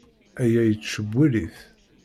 Aya yettcewwil-it.